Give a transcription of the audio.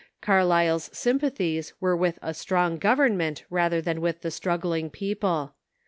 Carlyle's sympathies were with a strong government rather than with the struggling people.